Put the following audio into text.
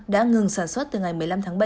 đã ngừng sản xuất từ ngày một mươi năm tháng bảy